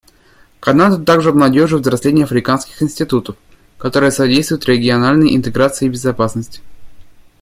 Канаду также обнадеживает взросление африканских институтов, которое содействует региональной интеграции и безопасности.